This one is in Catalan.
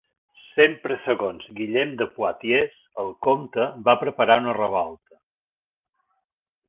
Sempre segons Guillem de Poitiers, el comte va preparar una revolta.